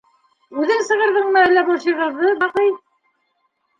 — Үҙең сығарҙыңмы әллә был шиғырҙы, Баҡый?